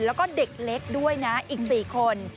แล้วก็เด็กเล็กด้วยนะอีก๔คน